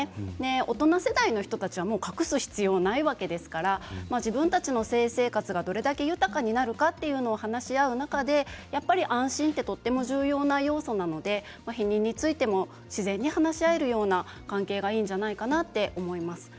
大人世代の人たちは隠す必要はないわけですから自分たちの性生活がどれだけ豊かになるかということを話し合う中で安心はとても重要な要素なので避妊についても自然に話し合えるような関係がいいんじゃないかと思います。